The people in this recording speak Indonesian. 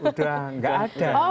udah enggak ada